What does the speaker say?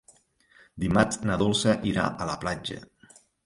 Dimarts na Dolça irà a la platja.